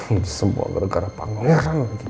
ini semua gara gara pangeran lagi